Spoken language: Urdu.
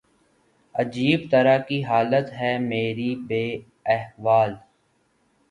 عجیب طرح کی حالت ہے میری بے احوال